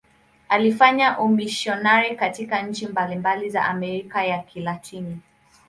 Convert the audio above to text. Alifanya umisionari katika nchi mbalimbali za Amerika ya Kilatini.